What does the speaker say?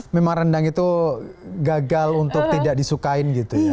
memang rendang itu gagal untuk tidak disukain gitu ya